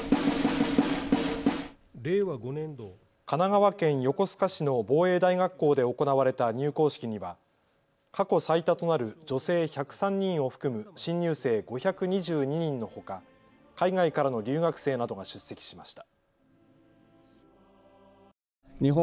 神奈川県横須賀市の防衛大学校で行われた入校式には過去最多となる女性１０３人を含む新入生５２２人のほか、海外からの留学生などが出席しました。